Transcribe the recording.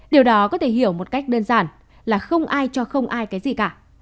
điều đó có thể hiểu một cách đơn giản là không ai cho không ai cái gì cả